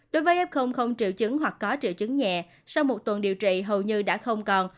đối với f không triệu chứng hoặc có triệu chứng nhẹ sau một tuần điều trị hầu như đã không còn